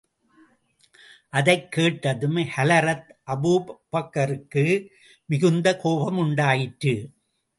அதைக் கேட்டதும் ஹலரத் அபூபக்கருக்கு மிகுந்த கோபம் உண்டாயிற்று.